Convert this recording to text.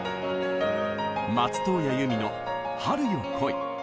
松任谷由実の「春よ、来い」。